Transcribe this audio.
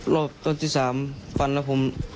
รอบต้นที่๓ฟันแล้วผม